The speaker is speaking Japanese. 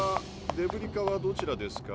デブリ課はどちらですか？